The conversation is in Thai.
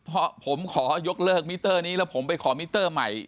เพราะผมขอยกเลิกมิเตอร์นี้แล้วผมไปขอมิเตอร์ใหม่